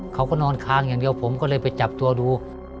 เขาก็นอนค้างอย่างเดียวผมก็เลยไปจับตัวดู